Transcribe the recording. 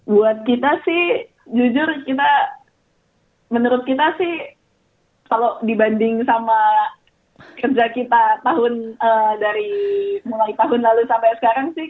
buat kita sih jujur kita menurut kita sih kalau dibanding sama kerja kita tahun dari mulai tahun lalu sampai sekarang sih